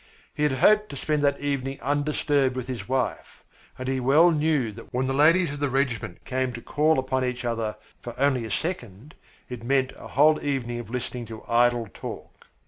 He had hoped to spend that evening undisturbed with his wife, and he well knew that when the ladies of the regiment came to call upon each other "for only a second," it meant a whole evening of listening to idle talk.